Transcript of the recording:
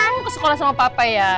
kamu ke sekolah sama papa ya